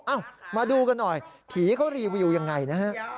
มาดูกันหน่อยผีเขารีวิวยังไงนะฮะ